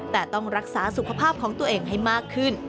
แต่ต้องรักษาสุขภาพของตัวเองให้มากขึ้น